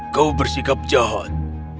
kau bersikap jahat